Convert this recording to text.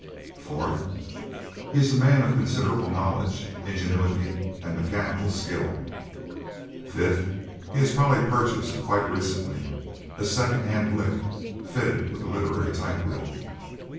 "Fourth: He is a man of considerable knowledge, ingenuity and mechanical skill. "Fifth: He has probably purchased, quite recently, a second hand 'Blick' fitted with a literary typewheel.